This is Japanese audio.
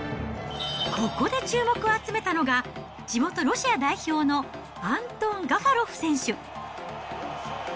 ここで注目を集めたのが、地元ロシア代表のアントン・ガファロフ選手。